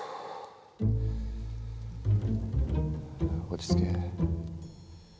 落ち着け。